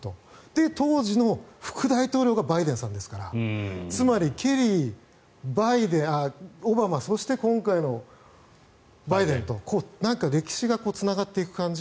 で、当時の副大統領がバイデンさんですからつまり、ケリー、オバマそして今回のバイデンと歴史がつながっていく感じ。